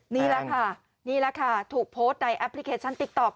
นี่แหละค่ะถูกโพสต์ในแอปพลิเคชันติ๊กต๊อก